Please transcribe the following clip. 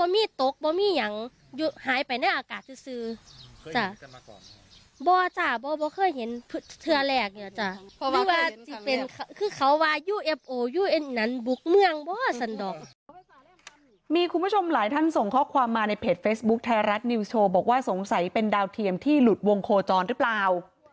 มีคุณผู้ชมหลายท่านส่งข้อความมาในเพจเฟซบุ๊คไทยรัฐนิวส์โชว์บอกว่าสงสัยเป็นดาวเทียมที่หลุดวงโคจรหรือเปล่า